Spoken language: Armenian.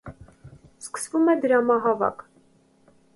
Սկսվում է դրամահավաք։